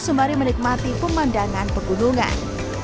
sembari menikmati pemandangan pegunungan